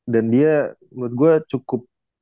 dan dia menurut gue cukup